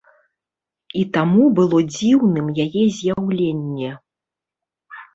І таму было дзіўным яе з'яўленне.